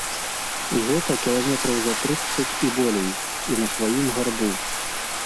І гэта кіламетраў за трыццаць і болей, і на сваім гарбу.